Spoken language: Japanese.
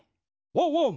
ワンワン！